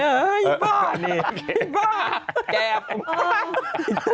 เอ๋อเอียบ้า